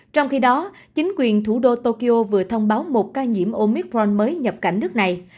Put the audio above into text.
trong khi đó chính quyền thủ đô tokyo vừa thông báo một ca nhiễm omicron mới nhập cảnh nước này